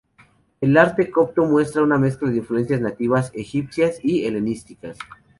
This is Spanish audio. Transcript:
El arte copto muestra una mezcla de influencias nativas egipcias y helenísticas.